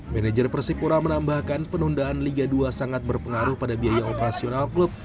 manajer persipura menambahkan penundaan liga dua sangat berpengaruh pada biaya operasional klub